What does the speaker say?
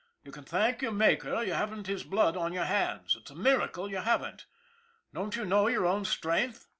" You can thank your Maker you haven't his blood on your hands it's a miracle you haven't. Don't you know your own strength